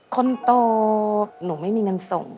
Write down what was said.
คนโตหนูไม่มีเงินส่ง